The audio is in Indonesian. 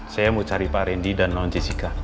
saya mau cari pak randy dan non jessica